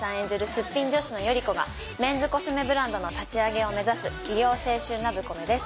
スッピン女子の頼子がメンズコスメブランドの立ち上げを目指す起業青春ラブコメです。